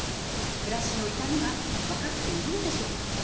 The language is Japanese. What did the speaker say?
暮らしの痛みがわかっているのでしょうか。